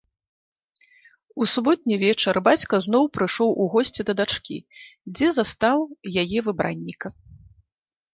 У суботні вечар бацька зноў прыйшоў у госці да дачкі, дзе застаў яе выбранніка.